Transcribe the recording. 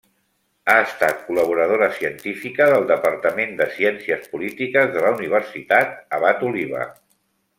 Ha estat col·laboradora científica del Departament de Ciències Polítiques de la Universitat Abat Oliba.